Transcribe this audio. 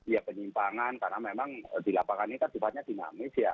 ya penyimpangan karena memang di lapangan ini kan sifatnya dinamis ya